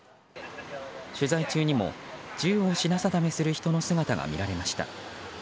取材中にも銃を品定めする人の姿が見られました。